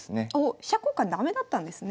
飛車交換駄目だったんですね。